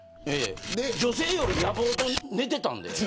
女性より野望と寝てたんで。